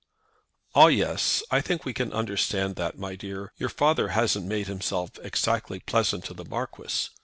"Ah; yes. I think we can understand that, my dear. Your father hasn't made himself exactly pleasant to the Marquis.